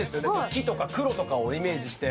木とか黒とかをイメージして。